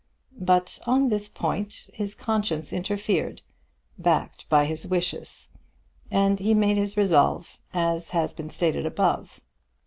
But on this point his conscience interfered, backed by his wishes, and he made his resolve as has been above stated.